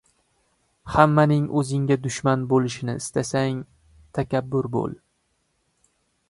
— Hammaning o‘zingga dushman bo‘lishini istasang, takabbur bo‘l.